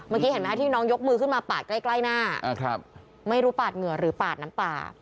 เมื่อกี้เห็นไหมคะที่น้องยกมือขึ้นมาปาดใกล้หน้าไม่รู้ปาดเหงื่อหรือปาดน้ำตา